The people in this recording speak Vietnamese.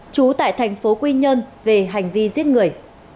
trú tại thành phố quy nhơn về hành vi giết người